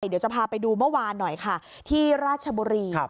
เดี๋ยวจะพาไปดูเมื่อวานหน่อยค่ะที่ราชบุรี